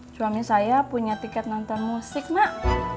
suami saya punya tiket nonton musik mak